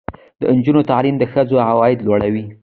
د نجونو تعلیم د ښځو عاید لوړوي.